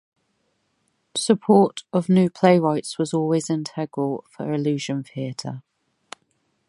Support of new playwrights was always integral for Illusion Theater.